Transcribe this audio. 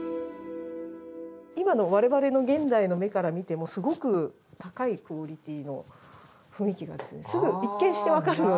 今の我々の現代の目から見てもすごく高いクオリティーの雰囲気がすぐ一見して分かるので。